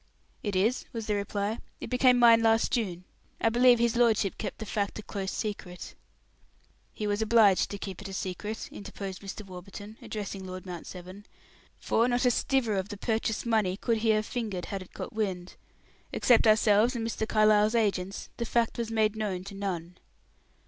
"It is," was the reply. "It became mine last June. I believe his lordship kept the fact a close secret." "He was obliged to keep it a secret," interposed Mr. Warburton, addressing Lord Mount Severn, "for not a stiver of the purchase money could he have fingered had it got wind. Except ourselves and Mr. Carlyle's agents, the fact was made known to none."